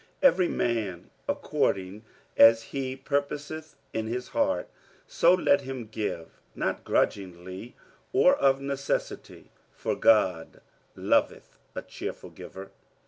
47:009:007 Every man according as he purposeth in his heart, so let him give; not grudgingly, or of necessity: for God loveth a cheerful giver.